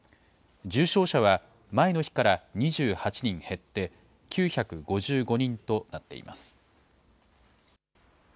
重症者は前の日から２８人減って、９５５人となっています。